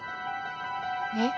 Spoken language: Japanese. えっ？